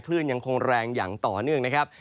คลื่นยังคงแรงอย่างต่อเนื่องนะครับ